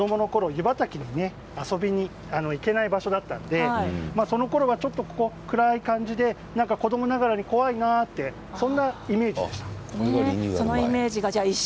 湯畑に遊びに行けない場所だったのでそのころは、ちょっと暗い感じで子どもながらに怖いなとそんなイメージでした。